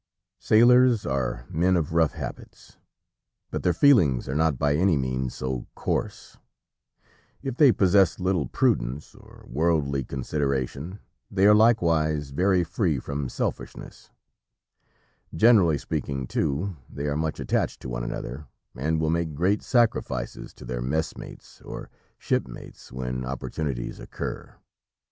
Sailors are men of rough habits, but their feelings are not by any means so coarse: if they possess little prudence or worldly consideration, they are likewise very free from selfishness; generally speaking, too, they are much attached to one another, and will make great sacrifices to their messmates or shipmates when opportunities occur.